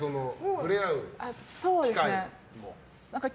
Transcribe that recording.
触れ合う機会は。